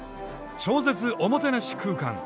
超絶おもてなし空間！